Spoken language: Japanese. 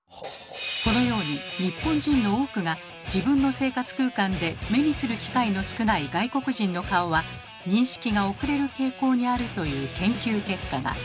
このように日本人の多くが自分の生活空間で目にする機会の少ない外国人の顔は認識が遅れる傾向にあるという研究結果が。